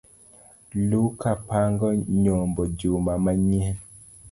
Luka pango nyombo juma ma nyien